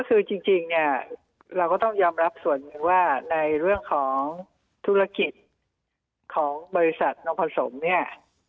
คือจริงเนี่ยเราก็ต้องยอมรับส่วนหนึ่งว่าในเรื่องของธุรกิจของบริษัทนกผสมเนี่ย